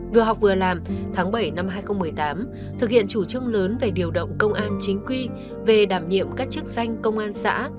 vừa học vừa làm tháng bảy năm hai nghìn một mươi tám thực hiện chủ trương lớn về điều động công an chính quy về đảm nhiệm các chức danh công an xã